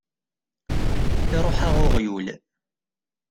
Iṛuḥ-aɣ uɣyul!